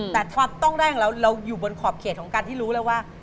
แต่ความต้องแรกของเราเราอยู่บนขอบเขตของการที่รู้แล้วว่า